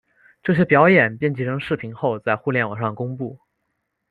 这些表演编辑成视频后在互联网上公布。